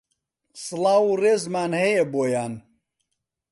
سڵاو و رێزمان هەیە بۆیان